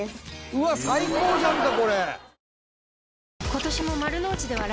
うわっ最高じゃんかこれ！